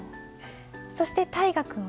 そして大河君は？